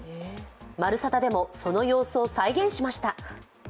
「まるサタ」でもその様子を再現しました。